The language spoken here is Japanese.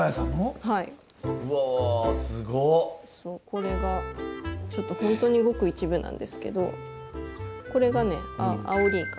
これがちょっと本当にごく一部なんですけどこれがねアオリイカ。